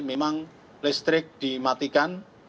memang listrik dimatikan